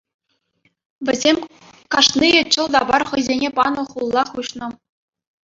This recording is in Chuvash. Вӗсем кашнийӗ чӑл та пар хӑйсене панӑ хулла хуҫнӑ.